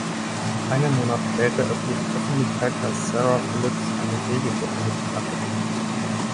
Einen Monat später erfuhr die Öffentlichkeit, dass Zara Phillips eine Fehlgeburt erlitten hatte.